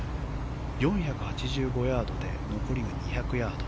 ４８５ヤードで残りが２００ヤード。